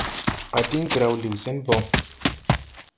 A diŋ graw liw sɛn bɔŋ.